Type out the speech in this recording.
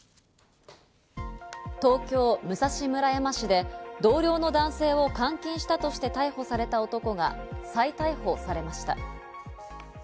東京・武蔵村山市で同僚の男性を監禁したとして逮捕された男が再逮捕されました。